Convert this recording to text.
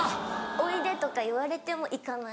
「おいで」とか言われても行かない。